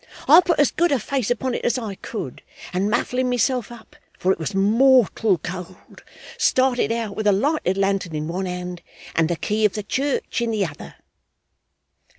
I put as good a face upon it as I could, and muffling myself up (for it was mortal cold), started out with a lighted lantern in one hand and the key of the church in the other.